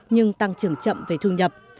nhưng tăng trưởng chậm về thương nhập